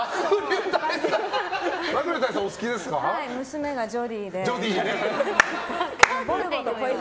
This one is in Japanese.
娘がジョディーで。